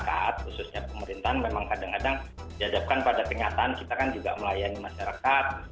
masyarakat khususnya pemerintahan memang kadang kadang dihadapkan pada kenyataan kita kan juga melayani masyarakat